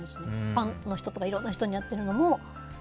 ファンの人とかいろんな人にやってるのも。